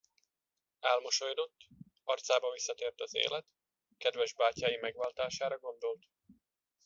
Elmosolyodott, arcába visszatért az élet, kedves bátyái megváltására gondolt.